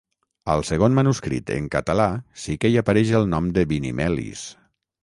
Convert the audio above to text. Al segon manuscrit en català sí que hi apareix el nom de Binimelis.